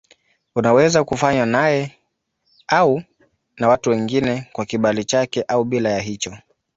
Unaweza kufanywa naye au na watu wengine kwa kibali chake au bila ya hicho.